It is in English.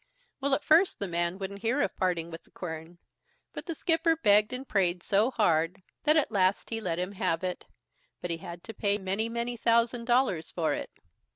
Well, at first the man wouldn't hear of parting with the quern; but the skipper begged and prayed so hard, that at last he let him have it, but he had to pay many, many thousand dollars for it.